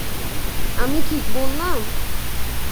আমি ঠিক বললাম?